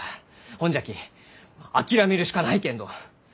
ほんじゃき諦めるしかないけんど！